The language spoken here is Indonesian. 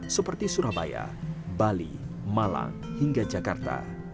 seperti surabaya bali malang hingga jakarta